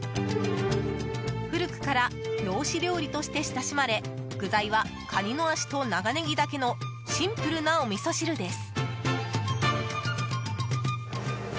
古くから漁師料理として親しまれ具材はカニの脚と長ネギだけのシンプルなおみそ汁です。